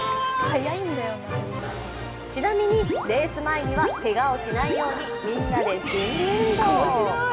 ちなみにレース前にはけがをしないようにみんなで準備運動。